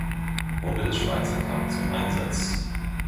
Runde des Schweizer Cup zum Einsatz.